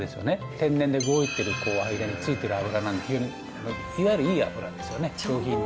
天然で動いてる間についてる脂なので非常にいわゆるいい脂ですよね上品な。